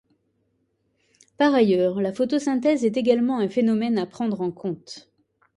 Par ailleurs, la photosynthèse est également un phénomène à prendre en compte.